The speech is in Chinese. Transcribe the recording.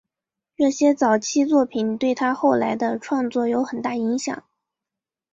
这些早期作品对他后来的创作有很大影响。